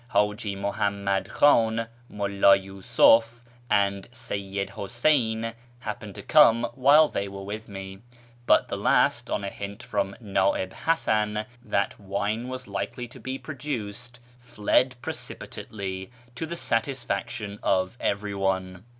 Haji Muhammad Khan, Mulla Yiisuf, and Seyyid Huseyn happened to come while they were with me ; but the last, on a hint from Na'ib Hasan that wine was likely to be produced, fled precipitately, to the satisfaction of everyone.